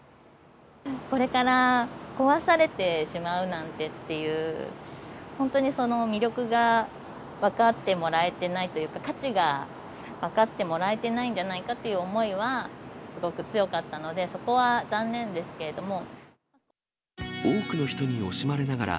これから壊されてしまうなんてっていう、本当にその魅力が分かってもらえてないというか、価値が分かってもらえてないんじゃないかという思いはすごく強かったので、そこは残念ですけれども。